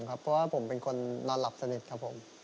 เพราะว่าผมเป็นคนนอนหลับสนิทครับผม